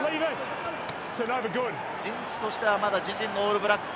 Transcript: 陣地としてはまだ自陣のオールブラックス。